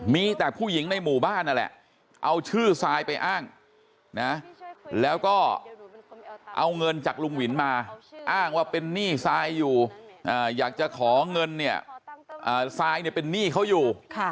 มีแต่ผู้หญิงในหมู่บ้านนั่นแหละเอาชื่อซายไปอ้างนะแล้วก็เอาเงินจากลุงวินมาอ้างว่าเป็นหนี้ทรายอยู่อยากจะขอเงินเนี่ยทรายเนี่ยเป็นหนี้เขาอยู่